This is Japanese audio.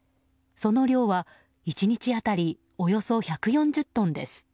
その量は１日当たりおよそ１４０トンです。